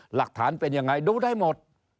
หลักฐานเป็นยังไงดูได้หมด